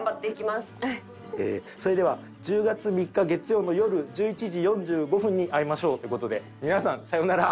それでは１０月３日月曜のよる１１時４５分に会いましょうという事で皆さんさようなら。